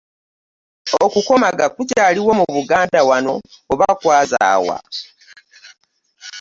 Okukomaga kukyaliwo mu Buganda wano oba kwazaawa?